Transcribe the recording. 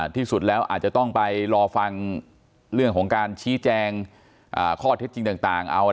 ที่สุดแล้วอาจจะต้องไปรอฟังเรื่องของการชี้แจงข้อเท็จจริงต่างเอา